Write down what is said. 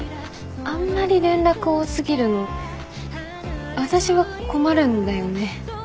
あんまり連絡多過ぎるの私は困るんだよね。